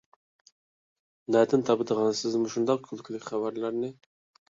نەدىن تاپىدىغانسىز مۇشۇنداق كۈلكىلىك خەۋەرلەرنى؟